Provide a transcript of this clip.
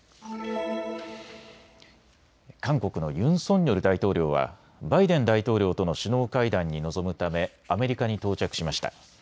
韓国のユン・ソンニョル大統領はバイデン大統領との首脳会談に臨むためアメリカに到着しました。